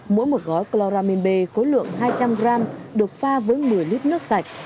mỗi một gói chloramin b khối lượng hai trăm linh g được pha với một mươi lít nước sạch